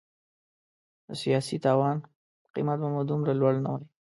د سیاسي تاوان قیمت به مو دومره لوړ نه وای.